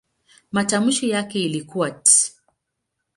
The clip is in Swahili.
Matamshi yake ilikuwa "t".